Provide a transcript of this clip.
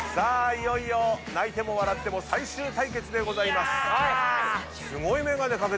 いよいよ泣いても笑っても最終対決でございます。